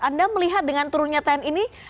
anda melihat dengan turun nyata ini